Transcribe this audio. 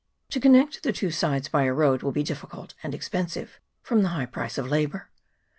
To connect the two sides by a road will be difficult and expen sive, from the high price of labour.